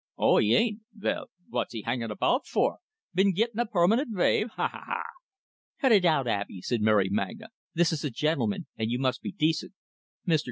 "Oh, he ain't. Vell, vot's he hangin' about for? Been gittin' a permanent vave? Ha, ha, ha!" "Cut it out, Abey," said Mary Magna. "This is a gentleman, and you must be decent. Mr.